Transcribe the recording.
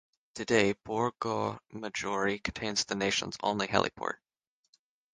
Today Borgo Maggiore contains the nation's only heliport.